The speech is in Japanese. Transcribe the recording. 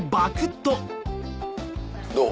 どう？